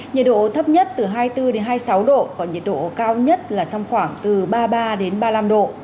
nhiệt độ thấp nhất từ hai mươi bốn hai mươi sáu độ còn nhiệt độ cao nhất là trong khoảng từ ba mươi ba đến ba mươi năm độ